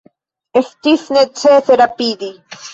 Estis necese rapidi.